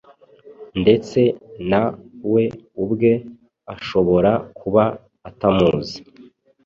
ndetse na we ubwe ashobora kuba atamuzi.